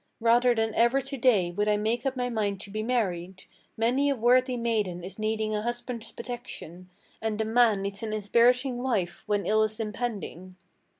Rather than ever to day would I make up my mind to be married: Many a worthy maiden is needing a husband's protection, And the man needs an inspiriting wife when ill is impending."